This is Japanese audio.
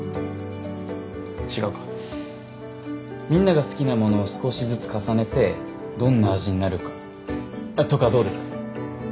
違うかみんなが好きなものを少しずつ重ねてどんな味になるかとかどうですか？